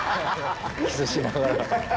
キスしながら。